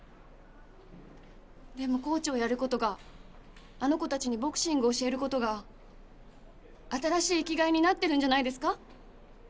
でもコーチをやる事があの子たちにボクシング教える事が新しい生きがいになってるんじゃないですか？